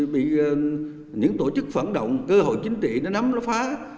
bị những tổ chức phản động cơ hội chính trị nó nắm nó phá